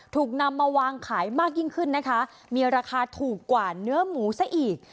ถูกนำมาวางขายมากยิ่งขึ้นนะคะมีราคาถูกกว่าเนื้อหมูซะอีก